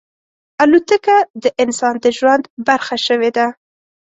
الوتکه د انسان د ژوند برخه شوې ده.